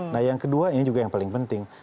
nah yang kedua ini juga yang paling penting